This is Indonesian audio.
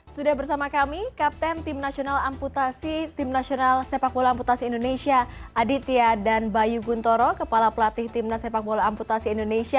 sudah bersama kami kapten tim nasional amputasi tim nasional sepak bola amputasi indonesia aditya dan bayu guntoro kepala pelatih timnas sepak bola amputasi indonesia